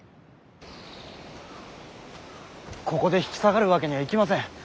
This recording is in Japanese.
ここで引き下がるわけにはいきません。